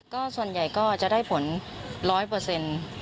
ก็ส่วนใหญ่ก็จะได้ผลร้อยเปอร์เซ็นต์